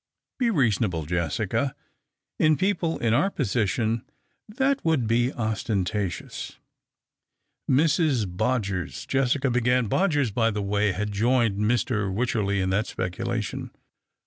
" Be reasonable, Jessica. In people in our position that would be ostentatious "" Mrs. Bodgers," Jessica began. Bodgers, by the way, had joined Mr. Wycherley in that speculation.